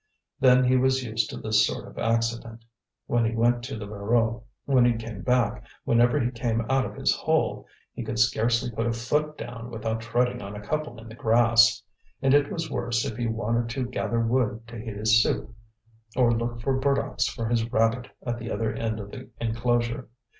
Then he was used to this sort of accident. When he went to the Voreux, when he came back, whenever he came out of his hole, he could scarcely put a foot down without treading on a couple in the grass; and it was worse if he wanted to gather wood to heat his soup or look for burdocks for his rabbit at the other end of the enclosure.